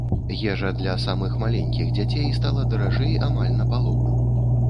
Ежа для самых маленькіх дзяцей стала даражэй амаль на палову.